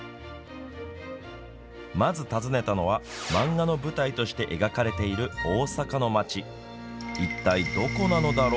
まず尋ねたのは漫画の舞台として描かれている大阪の街。